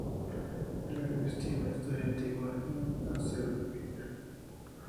El ajedrez tiene una historia antigua en Azerbaiyán.